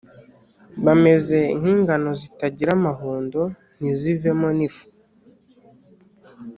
bameze nk’ingano zitagira amahundo, ntizivemo n’ifu,